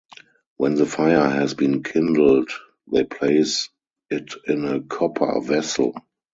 When the fire has been kindled they place it in a copper vessel.